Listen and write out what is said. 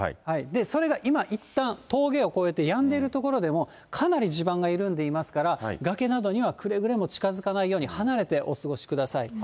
それが今いったん、峠を越えてやんでいる所でも、かなり地盤が緩んでいますから、崖などにはくれぐれも近づかないように、離れてお過ごしください。